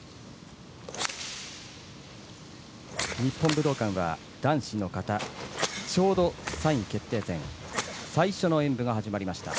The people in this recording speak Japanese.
日本武道館は男子の形ちょうど３位決定戦最初の演武が始まりました。